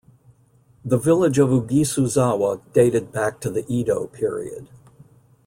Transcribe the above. The village of Uguisuzawa dated back to the Edo Period.